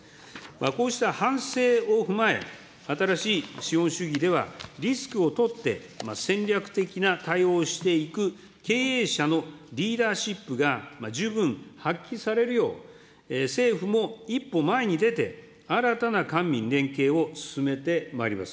こうした反省を踏まえ、新しい資本主義では、リスクを取って、戦略的な対応をしていく経営者のリーダーシップが十分発揮されるよう、政府も一歩前に出て、新たな官民連携を進めてまいります。